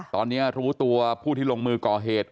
ตอนนี้หรือพูดที่ลงมือก่อเหตุ